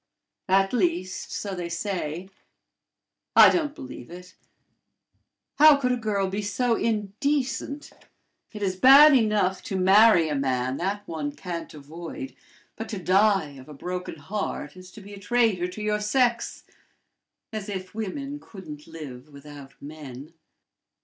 At least, so they say I don't believe it: how could a girl be so indecent? It is bad enough to marry a man: that one can't avoid; but to die of a broken heart is to be a traitor to your sex. As if women couldn't live without men!"